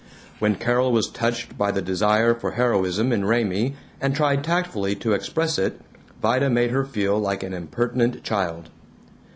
When Carol was touched by the desire for heroism in Raymie and tried tactfully to express it, Vida made her feel like an impertinent child.